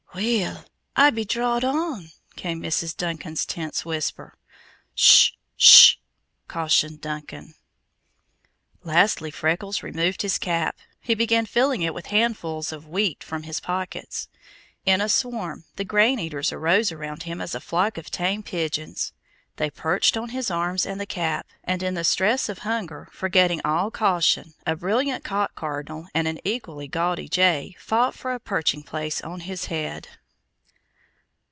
"Weel, I be drawed on!" came Mrs. Duncan's tense whisper. "Shu shu," cautioned Duncan. Lastly Freckles removed his cap. He began filling it with handfuls of wheat from his pockets. In a swarm the grain eaters arose around him as a flock of tame pigeons. They perched on his arms and the cap, and in the stress of hunger, forgetting all caution, a brilliant cock cardinal and an equally gaudy jay fought for a perching place on his head.